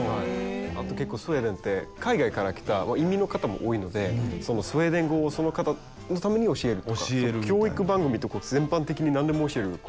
あと結構スウェーデンって海外から来た移民の方も多いのでそのスウェーデン語をその方のために教えるとか教育番組って全般的に何でも教える教育ラジオみたいなのもあります。